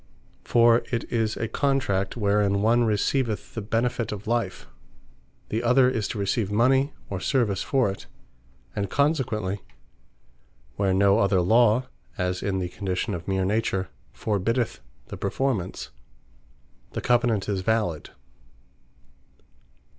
For it is a Contract, wherein one receiveth the benefit of life; the other is to receive mony, or service for it; and consequently, where no other Law (as in the condition, of meer Nature) forbiddeth the performance, the Covenant is valid.